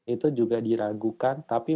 itu juga diragukan tapi